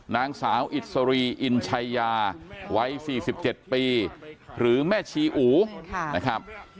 นางสาวอิสรีอินชายาไว้สี่สิบเจ็ดปีหรือแม่ชีอูนะครับ